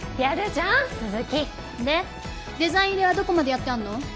やるじゃん鈴木でデザイン入れはどこまでやってあんの？